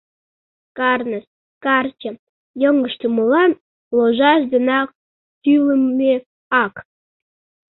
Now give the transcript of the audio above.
Карнес, карче — йоҥыштымылан ложаш денак тӱлымӧ ак.